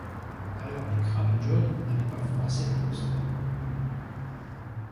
Alors les cravates jaunes n'allaient pas froisser leur costard.